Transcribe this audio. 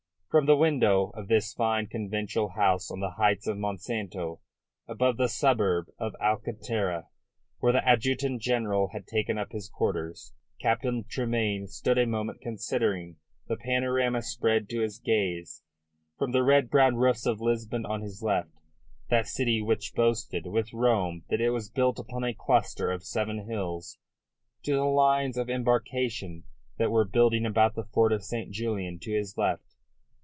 From the window of this fine conventual house on the heights of Monsanto, above the suburb of Alcantara, where the Adjutant General had taken up his quarters, Captain Tremayne stood a moment considering the panorama spread to his gaze, from the red brown roofs of Lisbon on his left that city which boasted with Rome that it was built upon a cluster of seven hills to the lines of embarkation that were building about the fort of St. Julian on his left.